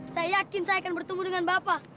saya yakin saya akan bertemu dengan bapak